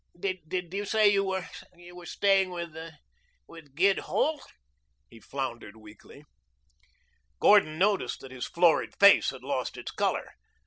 "Did you say you were staying with Gid Holt?" he floundered weakly. Gordon noticed that his florid face had lost its color.